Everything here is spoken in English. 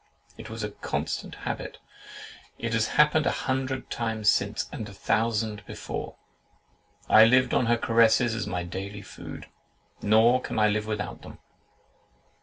—"It was a constant habit; it has happened a hundred times since, and a thousand before. I lived on her caresses as my daily food, nor can I live without them."